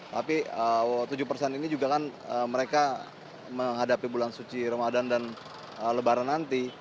tapi tujuh persen ini juga kan mereka menghadapi bulan suci ramadan dan lebaran nanti